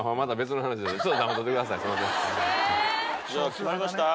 決まりました？